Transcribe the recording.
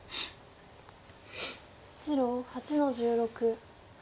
白８の十六。